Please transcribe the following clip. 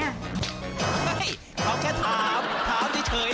เฮ้ยเขาแค่ถามถามเฉย